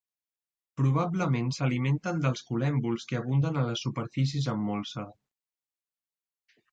Probablement s'alimenten dels col·lèmbols que abunden a les superfícies amb molsa.